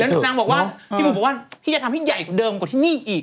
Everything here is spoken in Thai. ซึ่งฉะนั้นนางออกมาว่าพี่บุ๋มบอกว่าจะทำที่ใหญ่เดิมกว่าที่นี่อีก